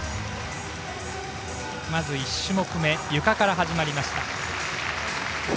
まず１種目めはゆかから始まりました。